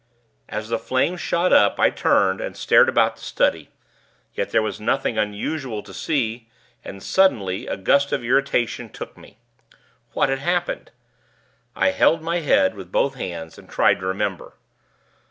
As the flames shot up, I turned, and stared about the study; yet there was nothing unusual to see; and, suddenly, a gust of irritation took me. What had happened? I held my head, with both hands, and tried to remember.